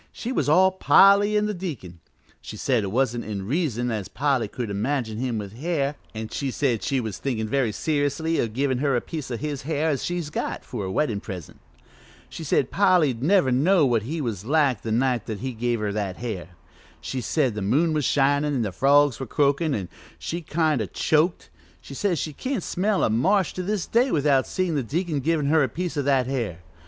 She was all Polly an' the deacon. She said it wa'n't in reason as Polly could imagine him with hair, an' she said she was thinkin' very seriously o' givin' her a piece o' his hair as she's got, for a weddin' present. She said Polly 'd never know what he was like the night he give her that hair. She said the moon was shinin' an' the frogs were croakin', an' she kind o' choked; she says she can't smell a marsh to this day without seein' the deacon givin' her that piece of hair.